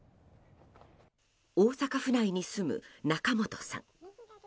大阪府内に住む仲本さん。